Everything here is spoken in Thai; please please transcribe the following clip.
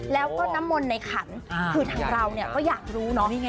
แล้วก็น้ำมนในขันคือทางเราก็อยากรู้เนอะ